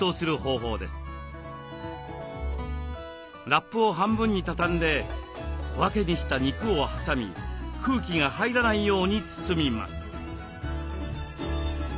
ラップを半分に畳んで小分けにした肉を挟み空気が入らないように包みます。